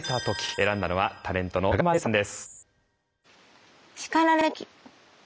選んだのはタレントの長濱ねるさんです。